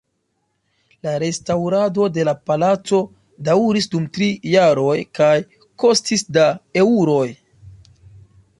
La restaŭrado de la palaco daŭris dum tri jaroj kaj kostis da eŭroj.